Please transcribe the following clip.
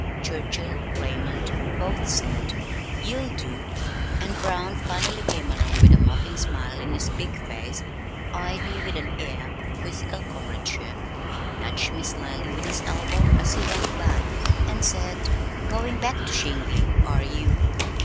Churchill, Raymond, both said, "You'll do," and Brown finally came along with a mocking smile on his big face, eyed me with an air of quizzical comradeship, nudged me slyly with his elbow as he went by, and said, "Going back to shingling, are you?"